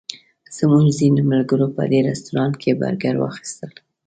زموږ ځینو ملګرو په دې رسټورانټ کې برګر واخیستل.